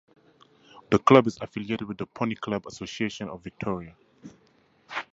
The club is affiliated with the Pony Club Association of Victoria.